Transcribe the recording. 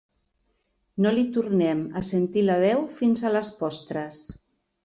No li tornem a sentir la veu fins a les postres.